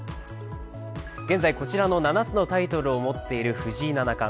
現在、こちらの７つのタイトルを持っている藤井七冠。